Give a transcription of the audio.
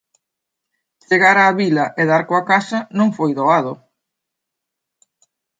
Chegar á Vila e dar coa casa non foi doado.